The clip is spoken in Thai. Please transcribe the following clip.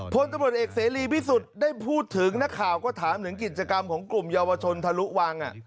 พลตำรวจเอกเสรีพิสุทธิ์ได้พูดถึงนักข่าวก็ถามถึงกิจกรรมของกลุ่มเยาวชนทะลุวัง